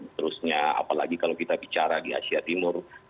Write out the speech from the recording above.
seterusnya apalagi kalau kita bicara di asia timur